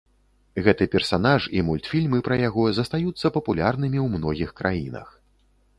Гэты персанаж і мультфільмы пра яго застаюцца папулярнымі ў многіх краінах.